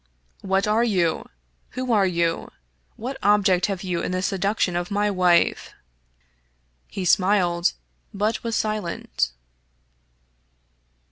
"What are you? Who are you? What object have you in the seduction of my wife ?" He smiled, but was silent.